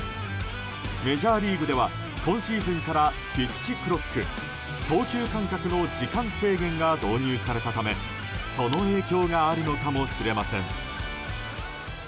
メジャーリーグでは今シーズンからピッチクロック投球間隔の時間制限が導入されたため、その影響があるのかもしれません。